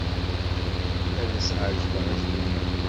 Ad as-ɛejbeɣ i Zwina.